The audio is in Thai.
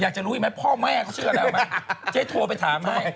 อยากจะรู้อีกไหมพ่อแม่เขาเชื่อแล้วไหมเจ๊โทรไปถามให้